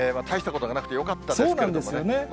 大したことがなくてよかったですけどもね。